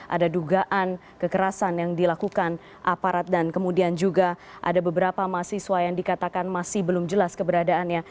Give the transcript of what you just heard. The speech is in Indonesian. ada dugaan kekerasan yang dilakukan aparat dan kemudian juga ada beberapa mahasiswa yang dikatakan masih belum jelas keberadaannya